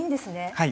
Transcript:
はい。